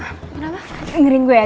dengerin gue ya